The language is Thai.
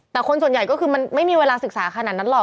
แต่คนส่วนใหญ่ก็คือมันไม่มีเวลาศึกษาขนาดนั้นหรอก